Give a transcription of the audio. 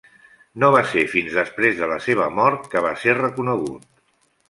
No va ser fins després de la seva mort que va ser reconegut.